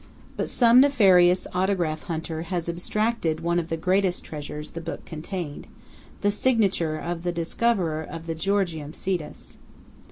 But some nefarious autograph hunter has abstracted one of the greatest treasures, the book contained–the signature of the discoverer of the Georgium Sidus.